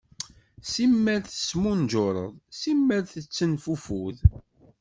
Simmal tesmunjuṛeḍ, simmal tettenfufud.